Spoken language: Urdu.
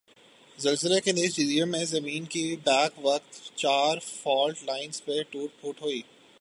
زلزلی کی نتیجی میں زمین کی بیک وقت چار فالٹ لائنز میں ٹوٹ پھوٹ ہوئی۔